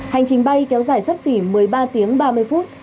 hành trình bay kéo dài sấp xỉ một mươi ba tiếng ba mươi phút